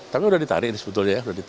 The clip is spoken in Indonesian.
tapi sudah ditarik ini sebetulnya ya